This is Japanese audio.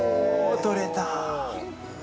取れた！